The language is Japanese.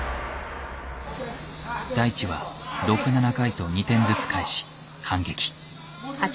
大智は６７回と２点ずつ返し反撃。